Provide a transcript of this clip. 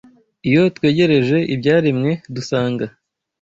Iyo twitegereje ibyaremwe dusanga